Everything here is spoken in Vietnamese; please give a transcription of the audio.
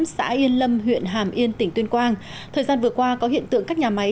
xã yên lâm huyện hàm yên tỉnh tuyên quang thời gian vừa qua có hiện tượng các nhà máy